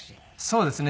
そうですね。